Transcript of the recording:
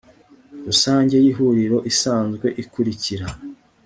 rusange y ihuriro isanzwe ikurikira